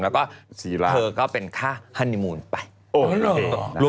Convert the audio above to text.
แล้วก็เธอก็เป็นค่าฮันนิมูลไปโอ้โหโอเค